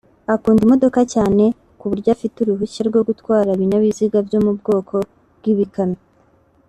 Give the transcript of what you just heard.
Akunda imodoka cyane ku buryo afite uruhushya rwo gutwara ibinyabiziga byo mu bwoko bw’ibikamyo